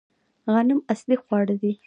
غنم اصلي خواړه دي